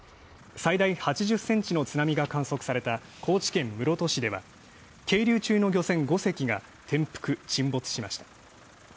最大８０センチの津波が観測された高知県室戸市では、係留中の漁船５隻が転覆・沈没しました。